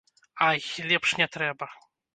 Ай, лепш не трэба!